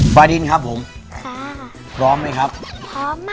ฟาดินครับผมพร้อมไหมครับพร้อมมากครับ